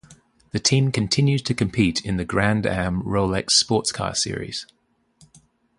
The team continues to compete in the Grand-Am Rolex Sports Car Series.